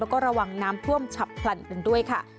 แล้วก็ระวังน้ำท่วมฉับพลันกันด้วยค่ะ